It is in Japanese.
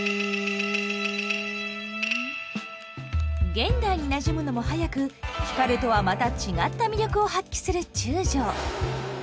現代になじむのも早く光とはまた違った魅力を発揮する中将。